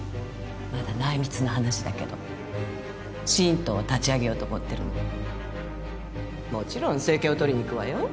まだ内密な話だけど新党を立ち上げようと思ってるのもちろん政権を取りにいくわよ